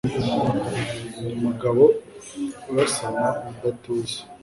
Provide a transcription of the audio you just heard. ni Mugabo urasana ubudatuza